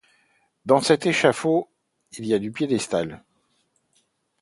Dans cet échafaud il y a du piédestal.